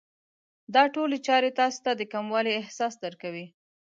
دا ټولې چارې تاسې ته د کموالي احساس درکوي.